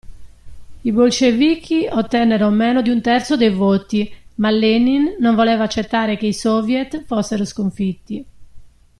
I bolscevichi ottennero meno di un terzo dei voti ma Lenin non voleva accettare che i Soviet fossero sconfitti.